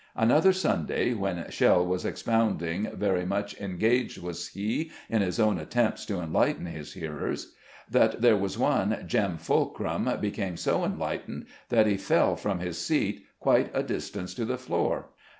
Another Sunday, when Shell was expounding (very much engaged was he in his own attempts to enlighten his hearers), their was one Jem Fulcrum became so enlightened that he fell from his seat quite a distance to the floor.